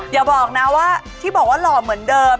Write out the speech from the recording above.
อย่าบอกที่บอกว่ารอเหมือนแบบ